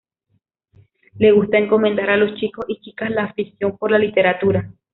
Le gusta encomendar a los chicos y chicas la afición por la literatura.